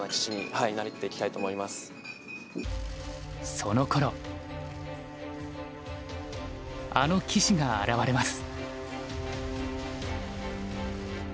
そのころあの棋士が現れます。